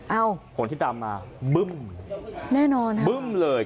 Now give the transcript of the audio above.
เอ้าผลที่ตามมาบึ้มแน่นอนครับบึ้มเลย